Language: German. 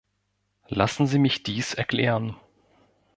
Lassen Sie mich dies erklären.